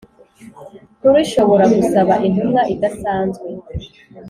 Nkuru ishobora gusaba intumwa idasanzwe